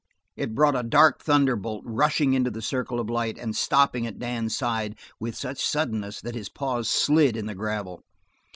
It brought a dark thunder bolt rushing into the circle of the light and stopping at Dan's side with such suddenness that his paws slid in the gravel.